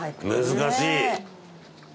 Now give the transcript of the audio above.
難しい。